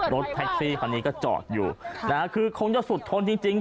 รถแพรคซี่ตอนนี้ก็จอดอยู่ควรจะสุดท้นจริง